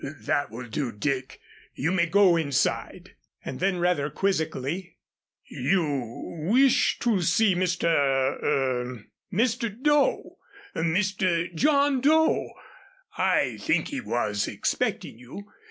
"That will do, Dick, you may go inside," and then rather quizzically: "You wished to see Mr. er Mr. Doe? Mr. John Doe? I think he was expecting you.